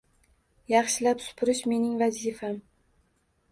Yaxshilab supurish – mening vazifam.